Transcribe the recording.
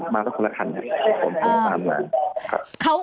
มาถึงคนละครั้งครับคุณผม